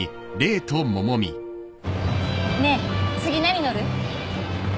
ねえ次何乗る？